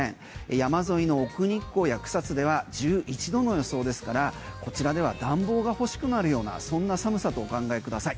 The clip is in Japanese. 山沿いの奥日光や草津では１１度の予想ですからこちらでは暖房が欲しくなるようなそんな寒さとお考えください。